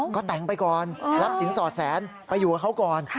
ก็แต่งไปก่อนรับสินสอดแสนไปอยู่กับเขาก่อน